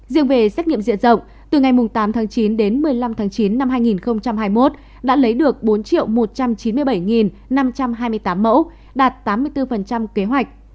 riêng về xét nghiệm diện rộng từ ngày tám tháng chín đến một mươi năm tháng chín năm hai nghìn hai mươi một đã lấy được bốn một trăm chín mươi bảy năm trăm hai mươi tám mẫu đạt tám mươi bốn kế hoạch